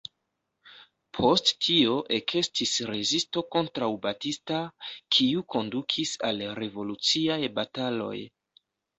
Post tio ekestis rezisto kontraŭ Batista, kiu kondukis al revoluciaj bataloj.